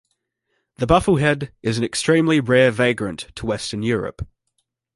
The bufflehead is an extremely rare vagrant to western Europe.